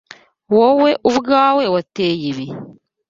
Wowe ubwawe wateye ibi?